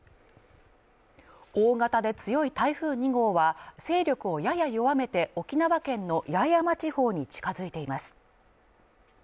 大型で強い台風２号は、勢力をやや弱めて沖縄県の八重山地方に近づいています。